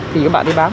thì các bạn đi bán